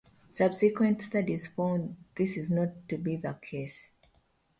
Subsequent studies found this not to be the case.